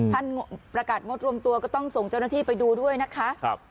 ประกาศงดรวมตัวก็ต้องส่งเจ้าหน้าที่ไปดูด้วยนะคะ